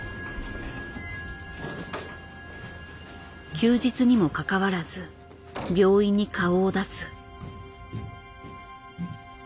休日にもかかわらず病院に顔を出す。